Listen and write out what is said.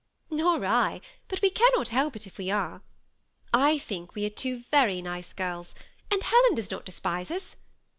" Nor I ; but we cannot help it if we are. I think we are two very nice girls, and Helen does not despise us.